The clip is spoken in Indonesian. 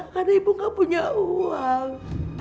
karena ibu gak punya uang